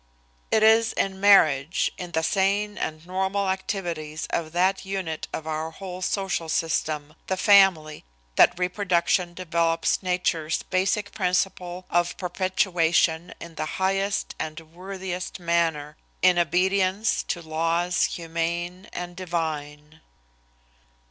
It is in marriage, in the sane and normal activities of that unit of our whole social system the family that reproduction develops nature's basic principle of perpetuation in the highest and worthiest manner, in obedience to laws humane and divine.